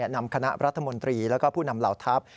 นำคณะรัฐมนตรีและผู้นำเหล่าทัพ